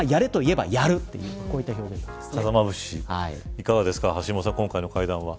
いかがですか橋下さん、今回の会談は。